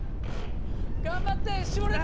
頑張ってしぼれた？